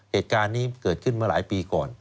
เหตุการณ์นี้เกิดขึ้นเมื่อหลายปีก่อน